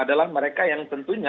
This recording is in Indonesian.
adalah mereka yang tentunya